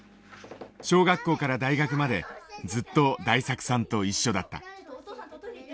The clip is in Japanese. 小学校から大学までずっと大作さんと一緒だった。